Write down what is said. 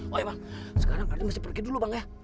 oh iya bang sekarang ardi mesti pergi dulu bang ya